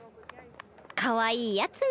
かわいいやつめ。